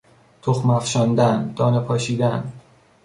تخم افشاندن، دانه پاشیدن